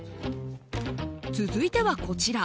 続いてはこちら。